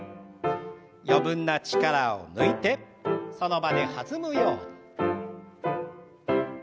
余分な力を抜いてその場で弾むように。